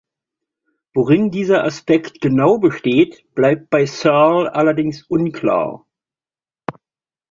Worin dieser Aspekt genau besteht, bleibt bei Searle allerdings unklar.